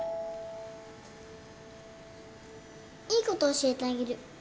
いいこと教えてあげる。